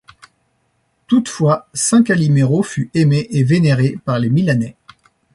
Toutefois, saint Calimero fut aimé et vénéré par les Milanais.